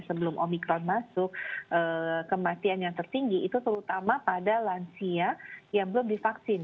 sebelum omikron masuk kematian yang tertinggi itu terutama pada lansia yang belum divaksin